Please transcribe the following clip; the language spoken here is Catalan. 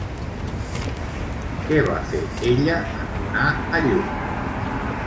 Què va fer ella en donar a llum?